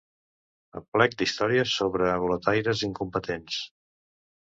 Aplec d'històries sobre boletaires incompetents.